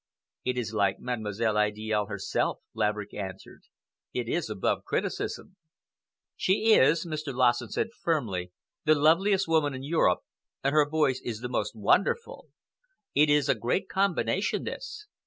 "It is like Mademoiselle Idiale herself," Laverick answered. "It is above criticism." "She is," Mr. Lassen said firmly, "the loveliest woman in Europe and her voice is the most wonderful. It is a great combination, this.